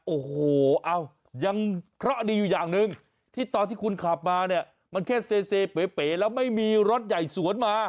โอ้โหเอายังเคราะห์ดีอยู่อย่างหนึ่งที่ตอนที่คุณขับมาเนี่ยมันแค่เซเป๋แล้วไม่มีรถใหญ่สวนมา